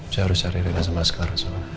saya harus cari rekan sama scar